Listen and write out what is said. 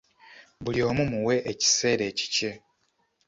Buli omu muwe ekiseera ekikye.